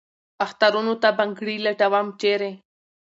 اخترونو ته بنګړي لټوم ، چېرې ؟